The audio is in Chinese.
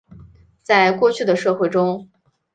在过去的社会中。